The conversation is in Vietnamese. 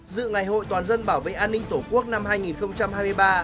dự ngày hội toàn dân bảo vệ an ninh tổ quốc năm hai nghìn hai mươi ba